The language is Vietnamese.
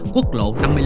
quốc lộ năm mươi năm